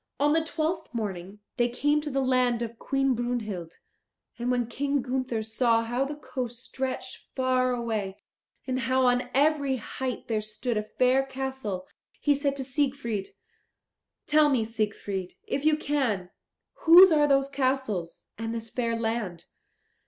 On the twelfth morning they came to the land of Queen Brunhild. And when King Gunther saw how the coast stretched far away, and how on every height there stood a fair castle, he said to Siegfried, "Tell me, Siegfried, if you can, whose are those castles, and this fair land.